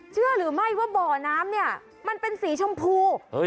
เชื่อหรือไม่ว่าบ่อน้ำเนี่ยมันเป็นสีชมพู